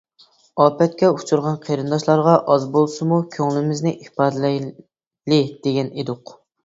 ئاپەتكە ئۇچرىغان قېرىنداشلارغا ئاز بولسىمۇ كۆڭلىمىزنى ئىپادىلەيلى دېگەن ئىدۇق!